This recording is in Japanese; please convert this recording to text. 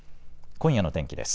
今夜の天気です。